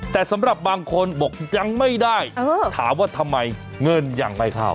แต่สำหรับบางคนบอกยังไม่ได้ถามว่าทำไมเงินยังไม่เข้า